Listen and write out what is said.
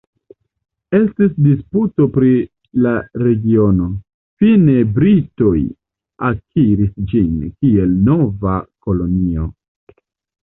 Estis disputo pri la regiono, fine britoj akiris ĝin, kiel nova kolonio.